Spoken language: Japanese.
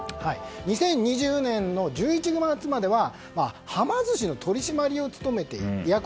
２０２０年の１１月までははま寿司の取締役を務めていた。